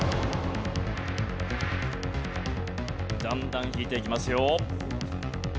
だんだん引いていきますよ。